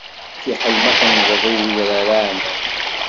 Fiḥel ma tennḍeḍ i udrar aɛmam.